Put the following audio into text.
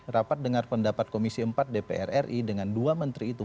rapat dengar pendapat komisi empat dpr ri dengan dua menteri itu